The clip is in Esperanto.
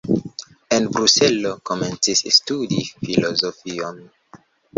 En Bruselo komencis studi filozofion.